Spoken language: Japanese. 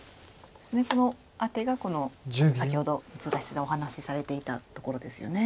このアテが先ほど六浦七段お話しされていたところですよね。